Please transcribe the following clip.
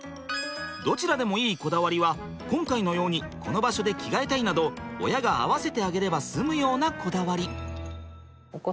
どちらでもいいこだわりは今回のようにこの場所で着替えたいなど親が合わせてあげれば済むようなこだわり。